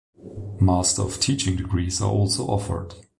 Master of Teaching degrees are also offered.